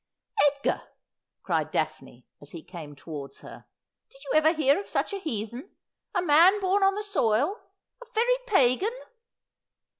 ' Edgar,' cried Daphne as he came towards her, ' did you ever hear of such a heathen — a man born on the soil — a very pagan